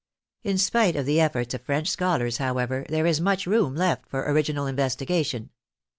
In spite of the ef forts of French scholars, however, there is much room left for original investigation.